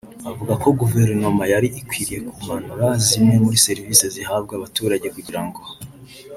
avuga ko guverinoma yari ikwiye kumanura zimwe muri serivisi zihabwa abaturage kugira ngo